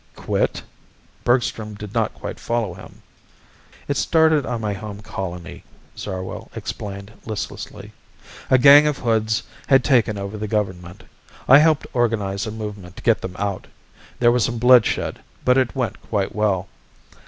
"Quit?" Bergstrom did not quite follow him. "It started on my home colony," Zarwell explained listlessly. "A gang of hoods had taken over the government. I helped organize a movement to get them out. There was some bloodshed, but it went quite well.